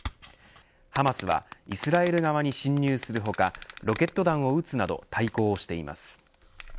ハマスはイスラエル側に侵入する他ロケット弾を打つなど対抗しています。